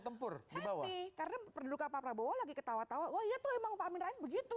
tempur di bawah karena pendukung pak prabowo lagi ketawa ketawa oh ya tuh emang pak amin rais begitu